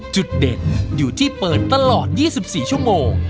จุดเด็ดอยู่ที่เปิดตลอด๒๔ชั่วโมง